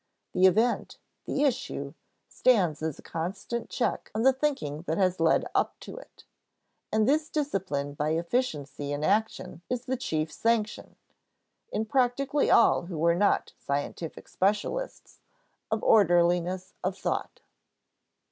The event, the issue, stands as a constant check on the thinking that has led up to it; and this discipline by efficiency in action is the chief sanction, in practically all who are not scientific specialists, of orderliness of thought.